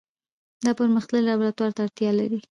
دا پرمختللي لابراتوار ته اړتیا لري.